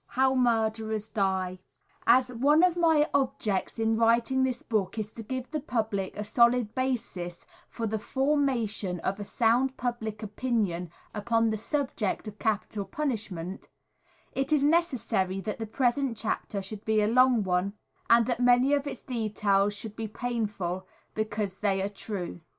How Murderers Die. As one of my objects in writing this book is to give the public a solid basis for the formation of a sound public opinion upon the subject of capital punishment, it is necessary that the present chapter should be a long one, and that many of its details should be painful because they are true.